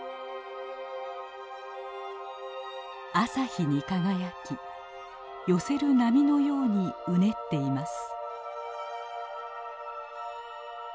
朝日に輝き寄せる波のようにうねっています。